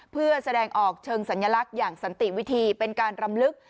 เพื่อแสดงออกเชิงสัญลักษณ์อย่างสันติวิธีเป็นการรำลึก